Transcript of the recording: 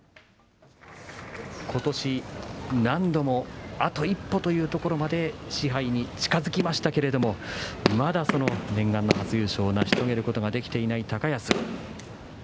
ことし、何度もあと一歩というところまで賜杯に近づきましたけれどもまだ、その念願の初優勝を成し遂げることができていない高安。